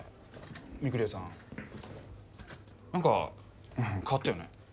御厨さん何か変わったよね。